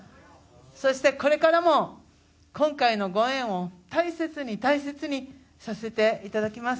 そして、これからも今回の御縁を大切に大切にさせていただきます。